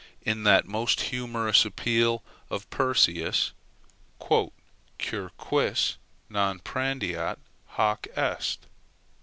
In that most humorous appeal of Perseus "Cur quis non prandeat, hoc est?"